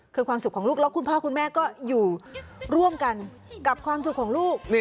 คือความสุขของลูกแล้วคุณพ่อคุณแม่ก็อยู่ร่วมกันกับความสุขของลูก